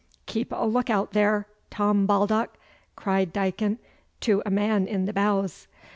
'Keep a look out there, Tom Baldock!' cried Dicon to a man in the bows.